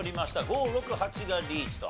５６８がリーチと。